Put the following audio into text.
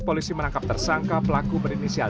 polisi menangkap tersangka pelaku berinisial